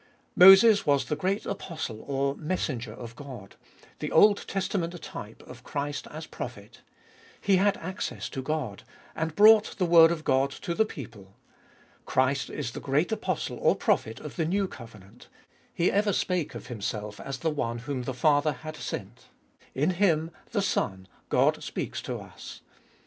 Moses was the great apostle or messenger of God, the Old Testament type of Christ as prophet. He had access to God, and brought the word of God to the people. Christ is the great Apostle or Prophet of the New Covenant. He ever spake of Himself as the one whom the Father had sent ; in Him, the Son, God speaks to us.